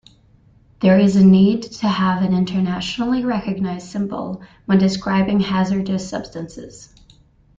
There is a need to have an internationally recognized symbol when describing hazardous substances.